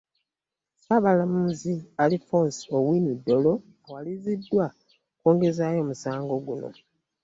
Ssaabalamuzi Alfonse Owiny Dollo awaliriziddwa okwongezaayo omusango guno.